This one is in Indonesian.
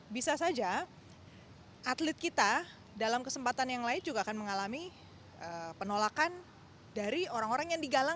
bisa saja atlet kita dalam kesempatan yang lain juga akan mengalami penolakan dari orang orang yang digalang